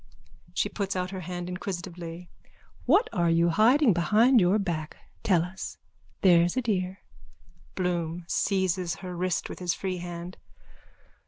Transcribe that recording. (She puts out her hand inquisitively.) What are you hiding behind your back? Tell us, there's a dear. BLOOM: _(Seizes her wrist with his free hand.)